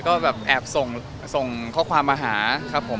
ก็แบบแอบส่งข้อความมาหาครับผม